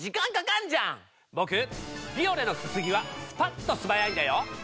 ボクビオレのすすぎはスパっと素早いんだよ！